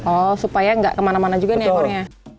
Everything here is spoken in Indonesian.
oh supaya nggak kemana mana juga nih ekornya